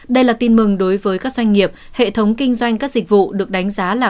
đây là tin mừng đối với các doanh nghiệp hệ thống kinh doanh các dịch vụ được đánh giá là